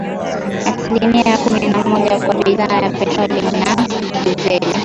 asilimia kumi na moja kwa bidhaa ya petroli na dizeli